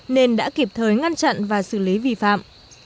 nên đã kịp thời ngăn chặn và xử lý vi phạm